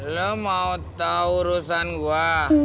lo mau tau urusan gua